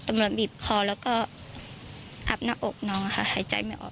มาบีบคอแล้วก็อับหน้าอกน้องค่ะหายใจไม่ออก